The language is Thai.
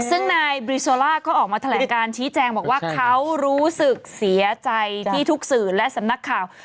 ซึ่งนายบริโซล่าก็ออกมาแถลงการชี้แจงบอกว่าเขารู้สึกเสียใจที่ทุกสื่อและสำนักข่าว